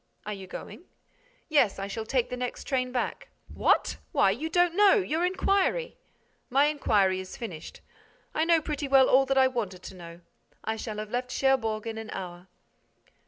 "Are you going?" "Yes, I shall take the next train back." "What!—Why, you don't know—your inquiry—" "My inquiry is finished. I know pretty well all that I wanted to know. I shall have left Cherbourg in an hour."